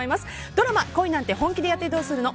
ドラマ「恋なんて、本気でやってどうするの？」